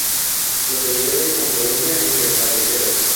Localidad de confluencia entre carreteras.